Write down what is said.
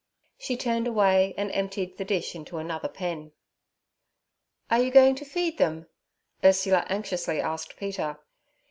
She turned away, and emptied the dish into another pen. 'Are you going to feed them?' Ursula anxiously asked Peter.